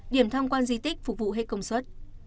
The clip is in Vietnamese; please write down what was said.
điểm tham quan di tích phục vụ hết công suất